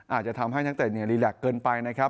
อาจจะทำให้ตั้งแต่เนี่ยรีแรกเกินไปนะครับ